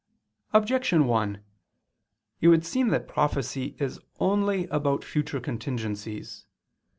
Objection 1: It would seem that prophecy is only about future contingencies.